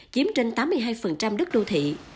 chiếm trên tám mươi hai đất đô thị